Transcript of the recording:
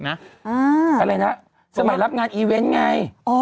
อะไรนะสมัยรับงานอีเวนต์ไง